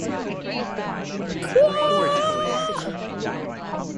His father annulled these upon his return.